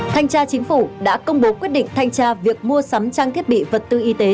thanh tra chính phủ đã công bố quyết định thanh tra việc mua sắm trang thiết bị vật tư y tế